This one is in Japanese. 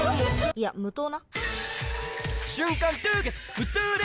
いや無糖な！